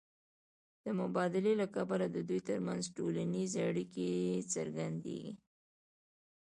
د مبادلې له کبله د دوی ترمنځ ټولنیزې اړیکې څرګندېږي